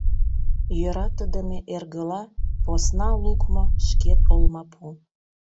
Йӧратыдыме эргыла «посна лукмо» шкет олмапу.